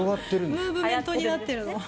ムーブメントになってるの？